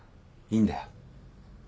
いいんだよ。